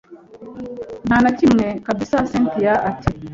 ntanakimwe kabsa cyntia ati